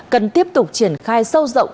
cần tiếp tục triển khai sâu rộng